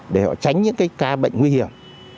để họ tránh những cái ca bệnh nguy hiểm